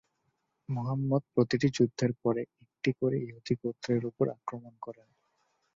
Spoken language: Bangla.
মুহাম্মাদ প্রতিটি যুদ্ধের পরে একটি করে ইহুদি গোত্রের উপর আক্রমণ করেন।